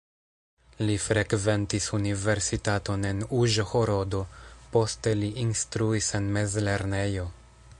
Li frekventis universitaton en Uĵhorodo, poste li instruis en mezlernejo.